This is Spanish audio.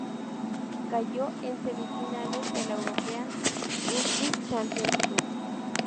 Cayó en semifinales de la European Rugby Champions cup.